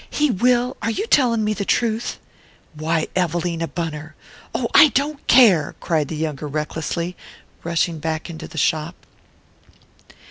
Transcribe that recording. "He will? Are you telling me the truth?" "Why, Evelina Bunner!" "Oh, I don't care!" cried the younger recklessly, rushing back into the shop.